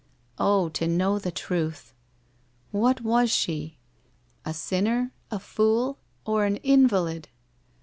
Oh, to know the truth! What was she? A sinner, a fool, or an invalid